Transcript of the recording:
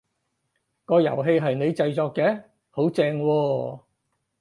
個遊戲係你製作嘅？好正喎！